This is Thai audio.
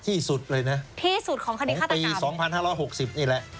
ที่สุดเลยนะตีสองพันห้าร้อยหกสิบนี่แหละที่สุดของคดีฆาตกรรม